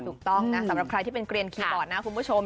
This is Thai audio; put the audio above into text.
ถูกต้องนะสำหรับใครที่เป็นเกลียนคีย์บอร์ดนะคุณผู้ชม